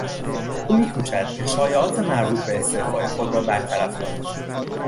او میکوشد که شایعات مربوط به استعفای خود را برطرف کند.